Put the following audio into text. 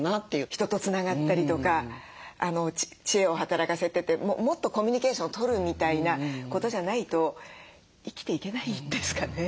人とつながったりとか知恵を働かせてもっとコミュニケーションをとるみたいなことじゃないと生きていけないんですかね？